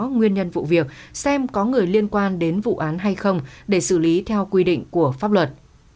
nguyên nhân vụ việc xem có người liên quan đến vụ án hay không để xử lý theo quy định của pháp luật